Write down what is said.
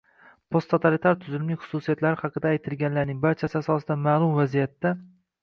Posttotalitar tuzumning xususiyatlari haqida aytilganlarning barchasi asosida ma’lum vaziyatda